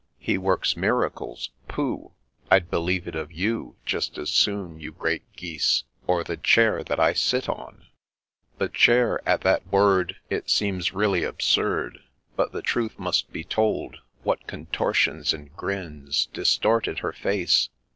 — He works miracles !— pooh !— I'd believe it of you Just as soon, you great Geese,— or the Chair that I sit on !* The Chair, — at that word, — it seems really absurd, But the truth must be told, — what contortions and grins Distorted her face